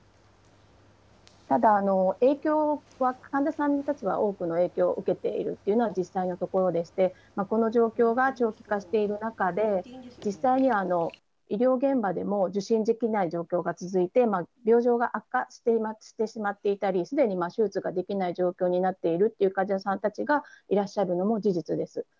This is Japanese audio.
ただ、影響は患者さんたちは、多くの影響受けているというのは実際のところでして、この状況が長期化している中で、実際には医療現場でも受診できない状況が続いて、病状が悪化してしまっていたり、すでに手術ができない状況になっているという患者さんたちがいらっしゃるのも事実です。